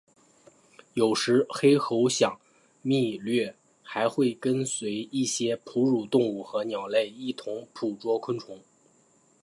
有时黑喉响蜜䴕还会跟随一些哺乳动物和鸟类一同捕捉昆虫。